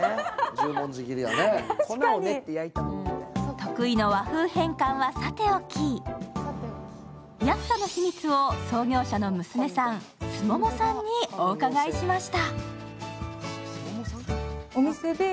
得意の和風変換はさておき安さの秘密を創業者の娘さん須百さんにお伺いしました。